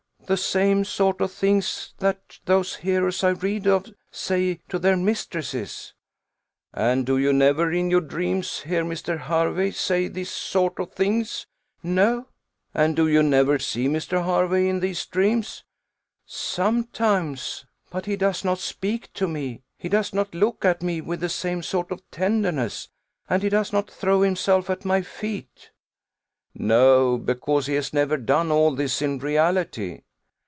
"The same sort of things that those heroes I read of say to their mistresses." "And do you never, in your dreams, hear Mr. Hervey say this sort of things?" "No." "And do you never see Mr. Hervey in these dreams?" "Sometimes; but he does not speak to me; he does not look at me with the same sort of tenderness, and he does not throw himself at my feet." "No; because he has never done all this in reality."